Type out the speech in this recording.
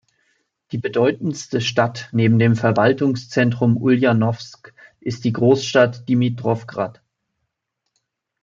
Die bedeutendste Stadt neben dem Verwaltungszentrum Uljanowsk ist die Großstadt Dimitrowgrad.